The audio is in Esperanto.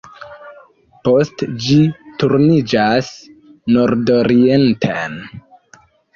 Poste ĝi turniĝas nordorienten.